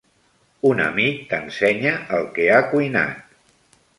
Un amic t'ensenya el que ha cuinat